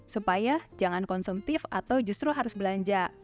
supaya jangan konsumtif atau justru harus belanja